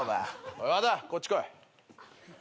おい和田こっち来い。